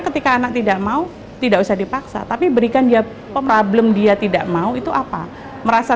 ketika anak tidak mau tidak usah dipaksa tapi berikan dia problem dia tidak mau itu apa merasa